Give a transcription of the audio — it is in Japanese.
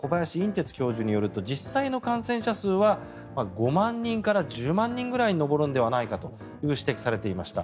てつ教授によると実際の感染者数は５万人から１０万人ぐらいに上るのではないかと指摘されていました。